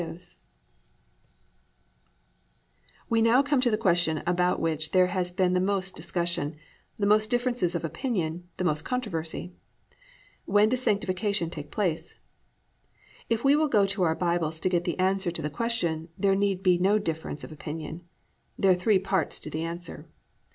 III. WHEN DOES SANCTIFICATION TAKE PLACE We now come to the question about which there has been the most discussion, the most differences of opinion, the most controversy. When does sanctification take place? If we will go to our Bibles to get the answer to the question there need be no difference of opinion. There are three parts to the answer.